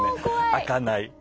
「開かない」。